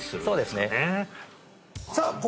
そうですねさあ